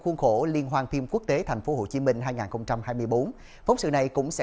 khuôn khổ liên hoan phim quốc tế thành phố hồ chí minh hai nghìn hai mươi bốn phóng sự này cũng sẽ